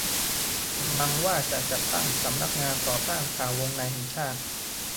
กำลังว่าจะจัดตั้ง สำนักงานต่อต้านข่าววงในแห่งชาติ